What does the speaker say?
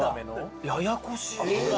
ややこしい。